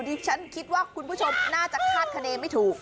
ดิฉันคิดว่าคุณผู้ชมน่าจะคาดคณีไม่ถูก